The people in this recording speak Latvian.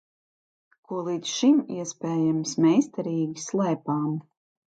Ko līdz šim, iespējams, meistarīgi slēpām.